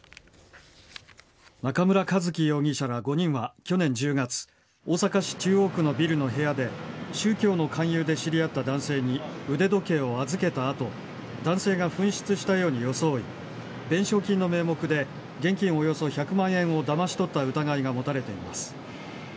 中村一気容疑者ら５人は去年１０月大阪市中央区のビルの部屋で宗教の勧誘で知り合った男性に腕時計を預けた後男性が紛失したように装い弁償金の名目で現金およそ１００万円をだまし取った疑いが持たれています。